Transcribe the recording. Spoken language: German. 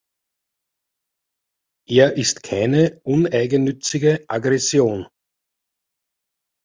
Er ist keine uneigennützige Aggression.